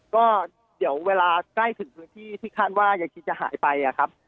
ก็เดี๋ยวเวลาใกล้ถึงพื้นที่ที่คาดว่ายายคิดจะหายไปครับ